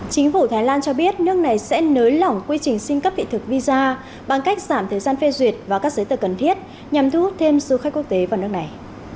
chính phủ thái lan cho biết nước này sẽ nới lỏng quy trình xin cấp vị thực visa bằng cách giảm thời gian phê duyệt và các giấy tờ cần thiết nhằm thu hút thêm du khách quốc tế vào nước này